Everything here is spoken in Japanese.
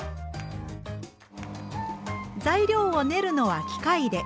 材料を練るのは機械で。